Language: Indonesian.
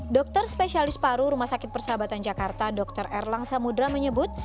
dokter spesialis paru rumah sakit persahabatan jakarta dr erlang samudera menyebut